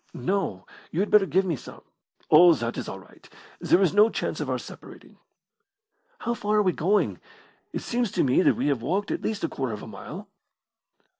"No; you had better give me some." "Oh, that is all right. There is no chance of our separating." "How far are we going? It seems to me that we have walked at least a quarter of a mile."